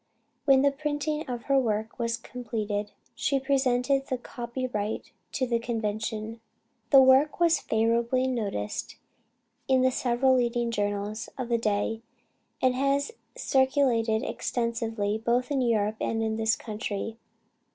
When the printing of her work was completed, she presented the copy right to the convention. The work was favorably noticed in several leading journals of the day, and has circulated extensively both in Europe and this country.